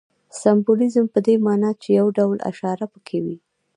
سمبولیزم په دې ماناچي یو ډول اشاره پکښې وي.